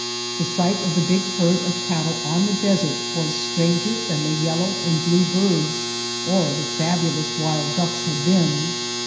The sight of the big herd of cattle on the desert was stranger than the yellow and blue birds or the fabulous wild ducks had been.